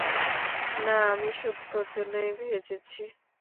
না, আমি শুধু তোর জন্যই ভেজেছি।